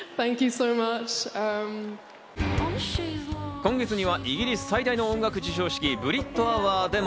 今月にはイギリス最大の音楽授賞式、ブリット・アワードでも